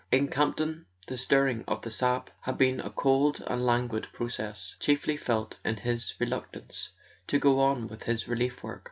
In Campton the stirring of the sap had been a cold and languid process, chiefly felt in his reluctance to go on with his relief work.